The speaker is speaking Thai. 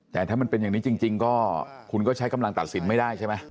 แต่ถ้ามันเป็นอย่างนี้จริงก็คุณก็ใช้กำลังตัดสินไม่ได้ใช่ไหม